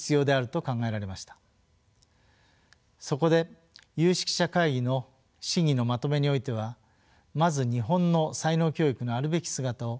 そこで有識者会議の審議のまとめにおいてはまず日本の才能教育のあるべき姿を示しました。